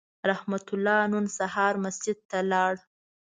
رحمت الله نن سهار مسجد ته لاړ